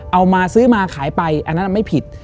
เอามาซื้อมาขายไปอันนั้นไม่ผิด